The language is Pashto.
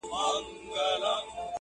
پوښتني لا هم ژوندۍ پاتې کيږي تل.